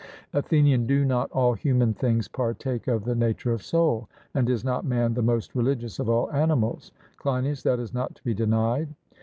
ATHENIAN: Do not all human things partake of the nature of soul? And is not man the most religious of all animals? CLEINIAS: That is not to be denied.